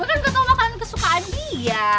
lu kan tau makanan kesukaan dia